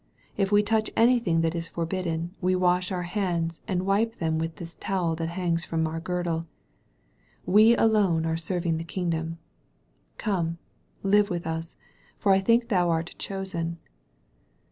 If we touch any thing that is forbidden we wash our hands and wipe them with this towel that hangs from our girdle. We alone are serving the kingdom. Come, live with us, for I think thou art chosen."